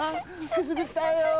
くすぐったいよ！